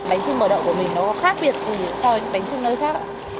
bánh chưng bò đậu của mình nó có khác biệt gì so với bánh chưng nơi khác ạ